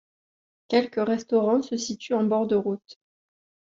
Quelques restaurants se situent en bord de route.